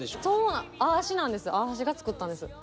そうあしなんですあしが作ったんです。